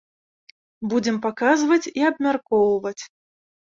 Будзем паказваць і абмяркоўваць.